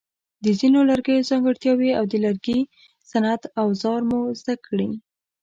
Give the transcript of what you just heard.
د ځینو لرګیو ځانګړتیاوې او د لرګي صنعت اوزار مو زده کړي.